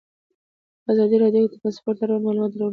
په ازادي راډیو کې د ترانسپورټ اړوند معلومات ډېر وړاندې شوي.